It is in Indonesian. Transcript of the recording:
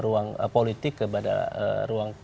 ruang politik kepada ruang